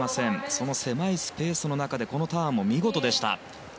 その狭いスペースの中でこのターンも見事でした。